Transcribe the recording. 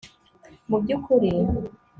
mubyukuri